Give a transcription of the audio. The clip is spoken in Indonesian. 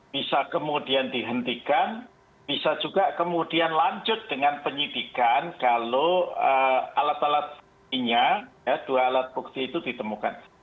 bisa kemudian dihentikan bisa juga kemudian lanjut dengan penyidikan kalau alat alat buktinya dua alat bukti itu ditemukan